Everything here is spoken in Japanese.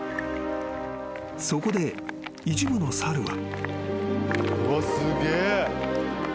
［そこで一部の猿は］